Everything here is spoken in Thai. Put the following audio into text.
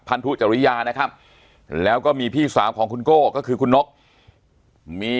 ทุจริยานะครับแล้วก็มีพี่สาวของคุณโก้ก็คือคุณนกมี